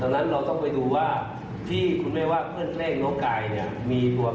เราไม่ได้ดูแต่ที่ไม่ได้มาสึกษาหรือกำลังบอก